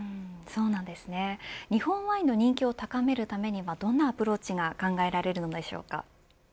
そうなんですね、日本ワインの人気を高めるためにはどんなアプローチが考えられるのでしょうか。